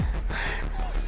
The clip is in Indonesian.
kamu masih sakit